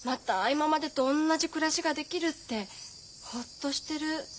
今までと同じ暮らしができるってほっとしてる。